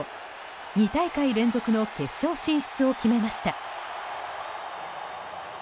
２大会連続の決勝進出を決めました。